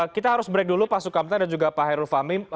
kita harus break dulu pak sukamta dan juga pak hairul fahmi